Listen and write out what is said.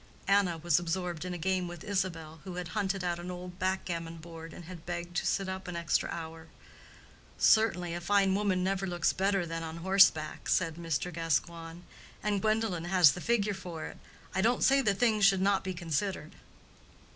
(Anna was absorbed in a game with Isabel, who had hunted out an old back gammon board, and had begged to sit up an extra hour.) "Certainly, a fine woman never looks better than on horseback," said Mr. Gascoigne. "And Gwendolen has the figure for it. I don't say the thing should not be considered."